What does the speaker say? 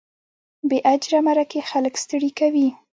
بې اجره مرکې خلک ستړي کوي.